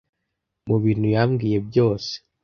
Mu bintu yambwiye byose